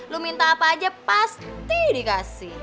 lu minta apa aja pasti dikasih